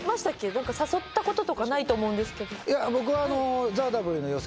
何か誘ったこととかないと思うんですけどいや